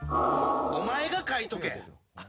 お前が書いとけ。